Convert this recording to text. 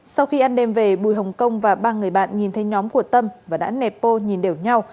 sau khi ăn đêm về bùi hồng công và ba người bạn nhìn thấy nhóm của tâm và đã nẹp bô nhìn đều nhau